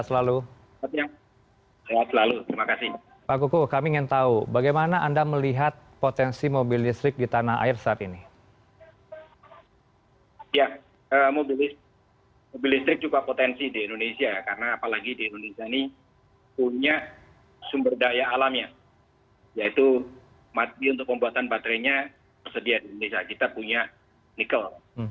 yaitu untuk pembuatan baterainya tersedia di indonesia kita punya nikel